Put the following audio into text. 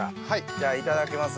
じゃあいただきます。